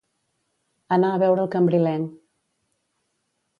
Anar a veure el cambrilenc.